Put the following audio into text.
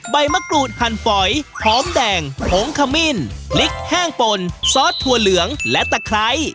ใบมะกรูดหั่นฝอยหอมแดงผงขมิ้นพริกแห้งป่นซอสถั่วเหลืองและตะไคร้